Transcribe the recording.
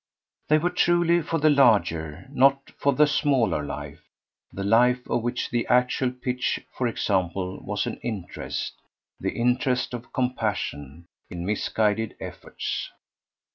They were truly for the larger, not for the smaller life, the life of which the actual pitch, for example, was an interest, the interest of compassion, in misguided efforts.